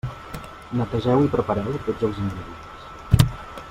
Netegeu i prepareu tots els ingredients.